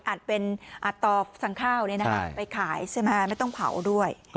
อัดเป็นต่อสั่งข้าวไปขายไม่ต้องเผาด้วย